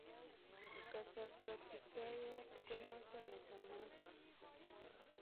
Kasartab kiptaiyat, ko notok ne chamat